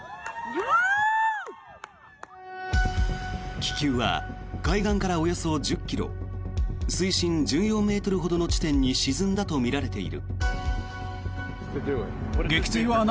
気球は海岸からおよそ１０ｋｍ水深１４ｍほどの地点に沈んだとみられている。